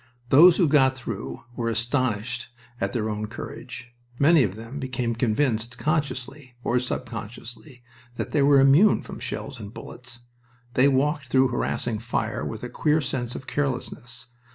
Those who got through were astonished at their own courage. Many of them became convinced consciously or subconsciously that they were immune from shells and bullets. They walked through harassing fire with a queer sense of carelessness.